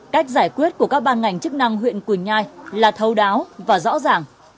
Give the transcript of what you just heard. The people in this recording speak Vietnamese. cách giải quyết của các ban ngành chức năng huyện quỳnh nhai là thấu đáo và rõ ràng